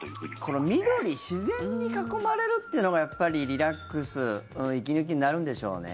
この緑自然に囲まれるというのがやっぱりリラックス息抜きになるんでしょうね。